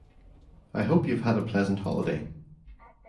I hope you've had a pleasant holiday?